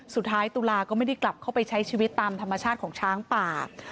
ตุลาก็ไม่ได้กลับเข้าไปใช้ชีวิตตามธรรมชาติของช้างป่า